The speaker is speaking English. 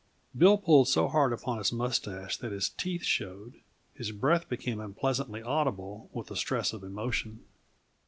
Bill pulled so hard upon his mustache that his teeth showed; his breath became unpleasantly audible with the stress of emotion.